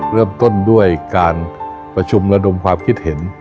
เริ่มต้นด้วยการประชุมระดมความคิดเห็น